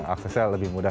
aksesnya lebih mudah